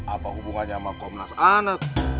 apa hubungannya sama komnas anet